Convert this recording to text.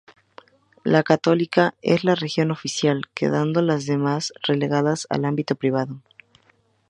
La católica es la religión oficial, quedando las demás relegadas al ámbito privado.